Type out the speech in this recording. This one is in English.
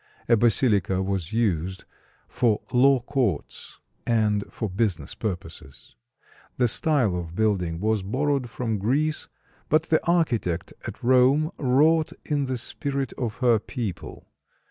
A basilica was used for law courts and for business purposes. The style of building was borrowed from Greece; but the architect at Rome wrought in the spirit of her people.